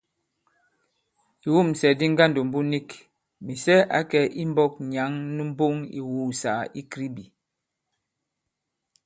Ìwûmsɛ̀ di ŋgandòmbu nik, Mìsɛ ǎ kɛ̀ imbɔ̄k nyǎŋ nu mboŋ ì ìwùùsàgà i Kribi.